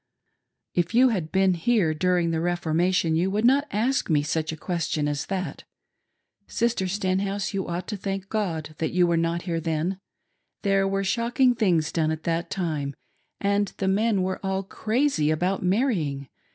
" If you had been here during the Reformation you would not ask me such a question as that. Sister Stenhouse,'you ought to thank God that you were not here then. There were shocking things done at that time, and the men were all crazy about marrying.